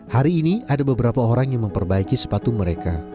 hari ini ada beberapa orang yang memperbaiki sepatu mereka